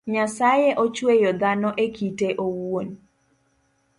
Nyasaye ochueyo dhano ekite owuon